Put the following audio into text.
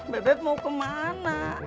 bebek mau kemana